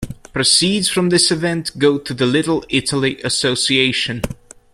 Proceeds from this event go to the Little Italy Association.